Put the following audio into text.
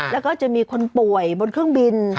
แล้วก็จะมีคนป่วยบนเครื่องบิน